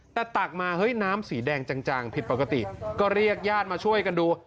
แต่ตักมาเฮ้ยน้ำสีแดงจางผิดปกติก็เรียกญาติมาช่วยกันดู